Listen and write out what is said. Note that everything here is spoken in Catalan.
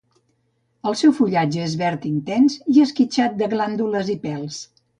El seu fullatge és verd intens i esquitxat de glàndules i pèls.